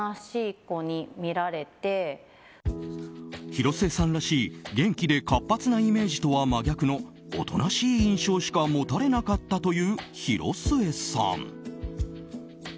広末さんらしい元気で活発なイメージとは真逆のおとなしい印象しか持たれなかったという広末さん。